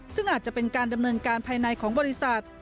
ซึ่งอาจจะเป็นการดำเนินการภายในของบริษัท